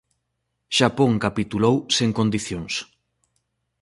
Xapón capitulou sen condicións.